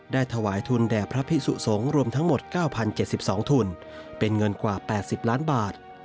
ถวายทุนแด่พระพิสุสงฆ์รวมทั้งหมด๙๐๗๒ทุนเป็นเงินกว่า๘๐ล้านบาท